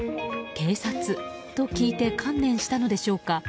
警察と聞いて観念したのでしょうか。